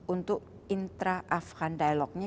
untuk intra afgan dialogue nya